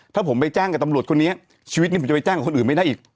ถ้าผมไปแจ้งกับตำรวจคนนี้ชีวิตนี้ผมจะไปแจ้งกับคนอื่นไม่ได้อีก